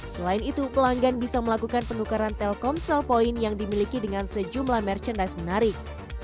selain itu pelanggan bisa melakukan penukaran telkomsel point yang dimiliki dengan sejumlah merchandise menarik